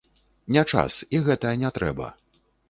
Не час, і гэта не трэба.